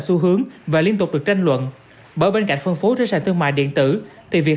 xu hướng và liên tục được tranh luận bởi bên cạnh phân phối trên sàn thương mại điện tử thì việc